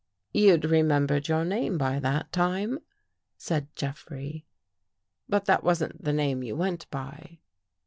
"You'd remembered your name by that time?" said Jeffrey. " But that wasn't the name you went by."